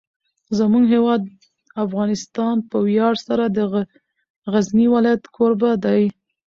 زموږ هیواد افغانستان په ویاړ سره د غزني ولایت کوربه دی.